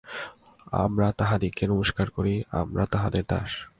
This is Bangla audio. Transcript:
আমরা তাহাদিগকে নমস্কার করি, আমরা তাঁহাদের দাস।